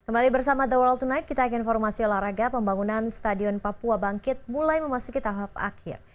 kembali bersama the world tonight kita akan informasi olahraga pembangunan stadion papua bangkit mulai memasuki tahap akhir